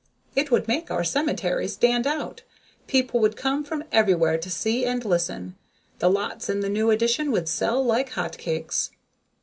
It would make our cemetery stand out. People would come from everywhere to see and listen. The lots in the new addition would sell like hot cakes.